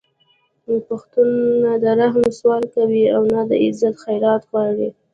پښتون نه د رحم سوال کوي او نه د عزت خیرات غواړي